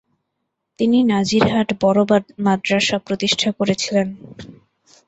তিনি নাজিরহাট বড় মাদ্রাসা প্রতিষ্ঠা করেছিলেন।